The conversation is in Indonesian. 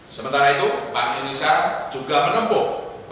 sementara itu bank indonesia juga menempuh